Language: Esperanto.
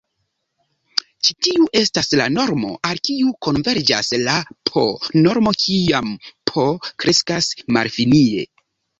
Ĉi tiu estas la normo al kiu konverĝas la "p"-normo kiam "p" kreskas malfinie.